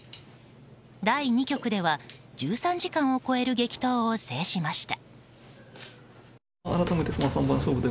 第２局では１３時間を超える激闘を制しました。